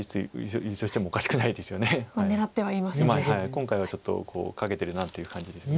今回はちょっと懸けてるなという感じです。